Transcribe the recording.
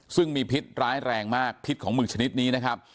ซึ่งมีพิษร้ายแรงมากพิษของหมึกชนิดนี้นะครับ